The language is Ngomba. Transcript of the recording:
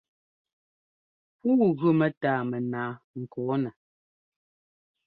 Pûu gʉ mɛ́tâa mɛnaa ŋkɔ̂nɛ.